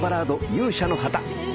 『勇者の旗』